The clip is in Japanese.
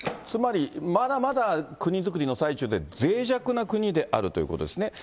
つまりまだまだ国づくりの最中で、ぜい弱な国であるということですね。